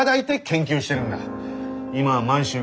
今は満州が。